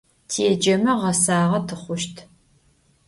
Têceme, ğesağe tıxhuşt.